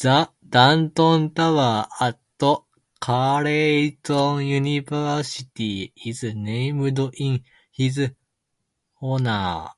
The Dunton Tower at Carleton University is named in his honour.